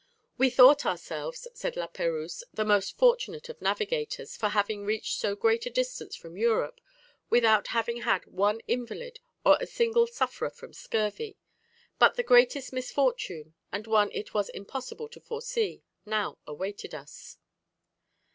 "We thought ourselves," says La Perouse, "the most fortunate of navigators, for having reached so great a distance from Europe without having had one invalid or a single sufferer from scurvy. But the greatest misfortune, and one it was impossible to foresee, now awaited us."